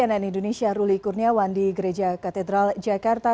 dan indonesia ruli kurniawan di gereja katedral jakarta